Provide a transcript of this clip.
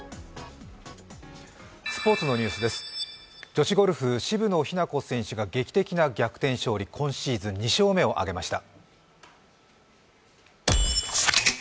スポーツのニュースです、女子ゴルフ渋野日向子選手が劇的な逆転勝利、今シーズン２勝目を挙げました。